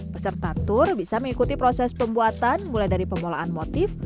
peserta tur bisa mengikuti proses pembuatan mulai dari pengolahan motif